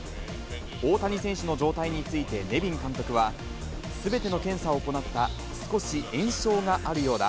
大谷選手の状態についてネビン監督は、すべての検査を行った、少し炎症があるようだ。